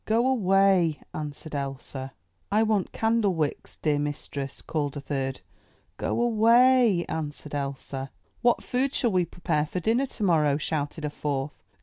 *'Go away!" answered Elsa. "I want candlewicks, dear mistress," called a third. "Go away!" answered Elsa. "What food shall we prepare for dinner tomorrow?" shouted a fourth.